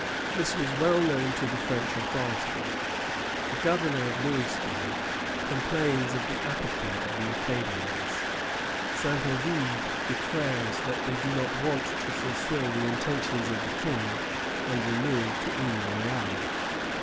This was well known to the French authorities. The governor of Louisbourg complains of the apathy of the Acadians. Saint Ovide declares that they do not want to fulfil the intentions of the King and remove to Isle Royale.